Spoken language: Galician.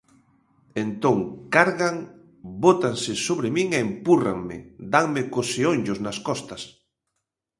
Entón cargan, bótanse sobre min e empúrranme, danme cos xeonllos nas costas.